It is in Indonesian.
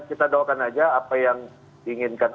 kita doakan aja apa yang diinginkan